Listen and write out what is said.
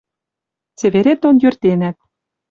Цеверет дон йӧртенӓт.